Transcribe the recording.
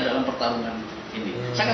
dalam pertarungan ini